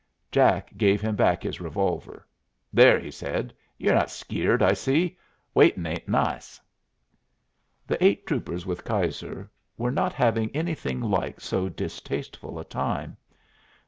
Jack gave him back his revolver. "There," said he; "ye're not skeered, I see. Waitin' ain't nice." The eight troopers with Keyser were not having anything like so distasteful a time.